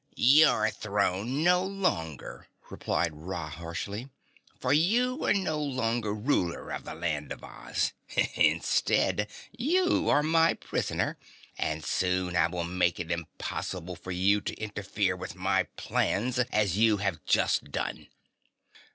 "Your throne no longer!" replied Ra harshly. "For you are no longer ruler of the Land of Oz. Instead you are my prisoner, and soon I will make it impossible for you to interfere with my plans as you have just done."